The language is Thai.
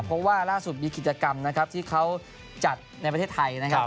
เพราะว่าล่าสุดมีกิจกรรมนะครับที่เขาจัดในประเทศไทยนะครับ